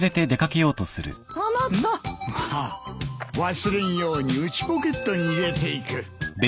忘れんように内ポケットに入れていく。